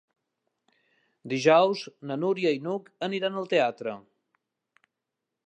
Dijous na Núria i n'Hug aniran al teatre.